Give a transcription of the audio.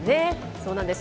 そうなんです。